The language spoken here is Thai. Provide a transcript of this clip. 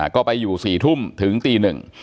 ก็ไปอยู่๔ทุ่มถึงตี๑